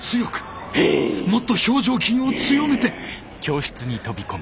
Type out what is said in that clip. もっと表情筋を強めて！